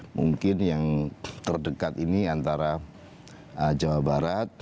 mungkin yang terdekat ini antara jawa barat